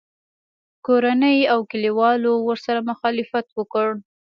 کورنۍ او کلیوالو ورسره مخالفت وکړ